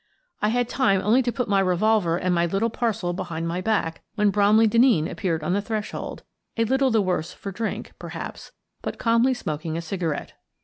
I had time only to put my revolver and my little parcel behind my back when Bromley Denneen appeared on the threshold, a little the worse for drink, perhaps, but calmly smoking a cigarette.